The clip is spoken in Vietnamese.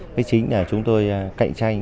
thứ chính là chúng tôi cạnh tranh